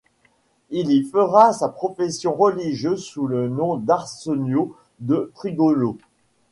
Il y fera sa profession religieuse sous le nom d'Arsenio de Trigolo.